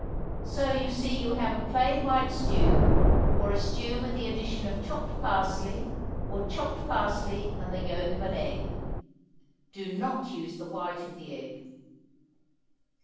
So you see you have a plain white stew, or a stew with the addition of chopped parsley, or chopped parsley and the yolk of an egg. Do not use the white of the egg.